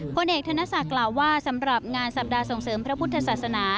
พลเอกธนศักดิ์กล่าวว่าสำหรับงานสัปดาห์ส่งเสริมพระพุทธศาสนา